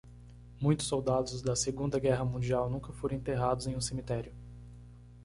Muitos soldados da segunda guerra mundial nunca foram enterrados em um cemitério.